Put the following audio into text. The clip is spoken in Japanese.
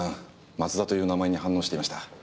松田という名前に反応していました。